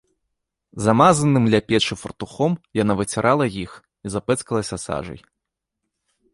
Замазаным ля печы фартухом яна выцірала іх і запэцкалася сажай.